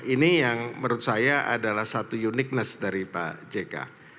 ini yang menurut saya adalah satu uniqueness dari pak jk